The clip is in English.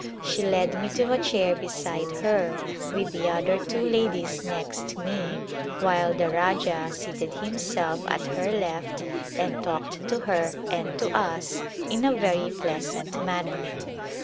She led me to a chair be side her with the other two ladies next me, while the Rajah seated himself at her left and talked to her and to us in a very pleasant manner.